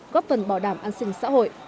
góp phần bảo đảm an sinh xã hội